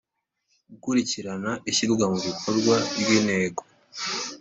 Gukurikirana ishyirwa mu bikorwa ry Intego